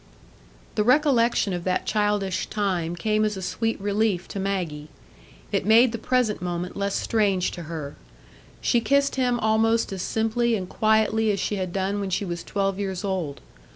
The recollection of that childish time came as a sweet relief to Maggie. It made the present moment less strange to her. She kissed him almost as simply and quietly as she had done when she was twelve years old.